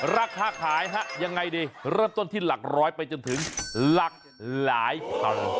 ราคาขายฮะยังไงดีเริ่มต้นที่หลักร้อยไปจนถึงหลักหลายพัน